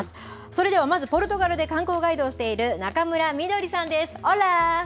それではまずポルトガルで観光ガイドをしている、中村みどりさんです。